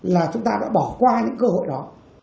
là chúng ta đã bỏ qua những cơ hội đó